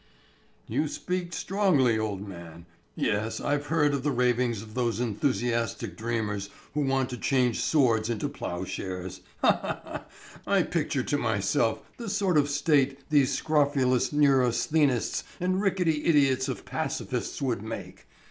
"You speak strongly, old man! Yes, I've heard of the ravings of those enthusiastic dreamers who want to change swords into ploughshares.... Ha ha ha! I picture to myself the sort of state these scrofulous neurasthenists and rickety idiots of pacifists would make.